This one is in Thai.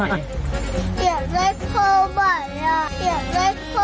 อยากได้พ่อใหม่